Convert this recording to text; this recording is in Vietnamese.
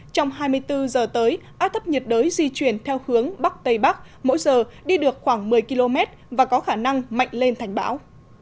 trong hai mươi bốn giờ tới áp thấp nhiệt đới di chuyển theo hướng bắc tây bắc mỗi giờ đi được khoảng một mươi km và có khả năng mạnh lên thành bão